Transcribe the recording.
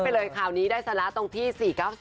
ไปเลยข่าวนี้ได้สนาตรงที่๔๙๔ค่ะ